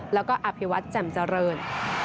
แล้วก็อภิวัตรแจ่มเจริญ